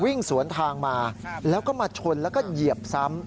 วิ่งสวนทางมาแล้วก็มาชนแล้วก็เหยียบซ้ำ